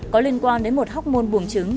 có liên quan đến một học môn buồng trứng